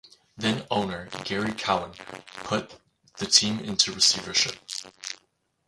Then owner Gary Cowan put the team into receivership.